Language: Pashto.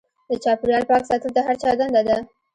د چاپیریال پاک ساتل د هر چا دنده ده.